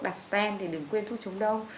đặt stent thì đừng quên thuốc chống đông